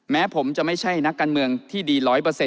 แม้ผมจะไม่ใช่นักการเมืองที่ดี๑๐๐